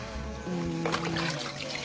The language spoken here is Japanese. うん。